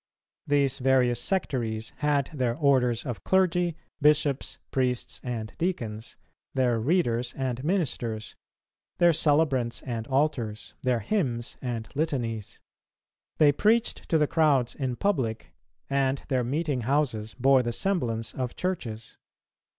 These various sectaries had their orders of clergy, bishops, priests and deacons; their readers and ministers; their celebrants and altars; their hymns and litanies. They preached to the crowds in public, and their meeting houses bore the semblance of churches.